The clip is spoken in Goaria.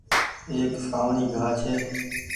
ايڪ سآوڻي گآه ڇي۔